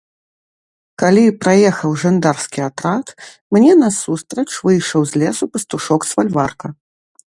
Калі праехаў жандарскі атрад, мне насустрач выйшаў з лесу пастушок з фальварка.